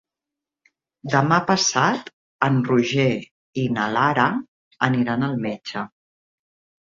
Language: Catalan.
Demà passat en Roger i na Lara aniran al metge.